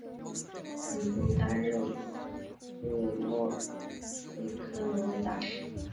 曾经担任驻莫斯科挪威大使。